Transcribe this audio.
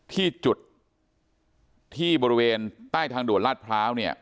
ที่จุดที่บริเวณใต้ทางด่วนลาดพร้าวเนี่ย